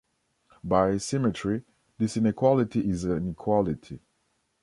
By symmetry, this inequality is an equality.